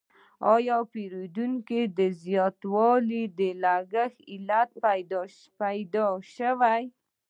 آیا د پیرودونکو زیاتوالی د ګرانښت علت کیدای شي؟